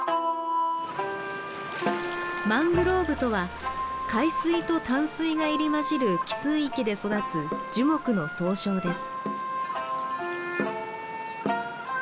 マングローブとは海水と淡水が入り交じる汽水域で育つ樹木の総称です。